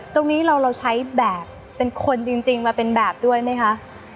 ตรงนี้เราใช้แบบเป็นคนจริงมาเป็นแบบด้วยไหมคะ